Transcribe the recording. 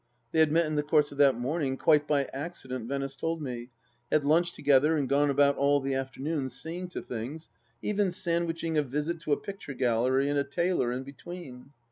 They had met in the course of that morning, quite by accident, Venice told me; had lunched together and gone about all the afternoon seeing to things, even sandwiching a visit to a picture gallery and a tailor in between.